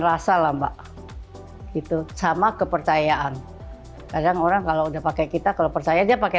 rasa lamba itu sama kepercayaan kadang orang kalau udah pakai kita kalau percaya dia pakai